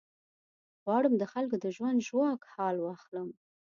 غواړم د خلکو د ژوند ژواک حال واخلم.